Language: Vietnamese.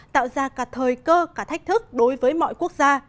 tạo ra cả thời cơ cả thách thức đối với mọi quốc gia